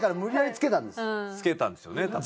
付けたんですよね多分。